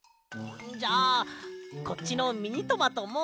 じゃあこっちのミニトマトも。